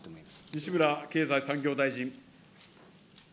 西村経済産業大臣。